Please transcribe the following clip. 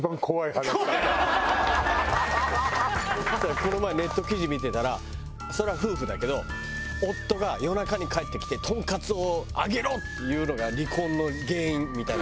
この前ネット記事見てたらそれは夫婦だけど夫が夜中に帰ってきて「トンカツを揚げろ！」って言うのが離婚の原因みたいな。